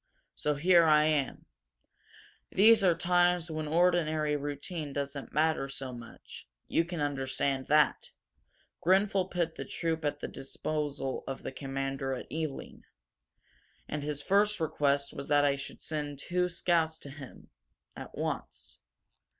So here I am. These are times when ordinary routine doesn't matter so much you can understand that. Grenfel put the troop at the disposal of the commander at Ealing. And his first request was that I should send two scouts to him at once.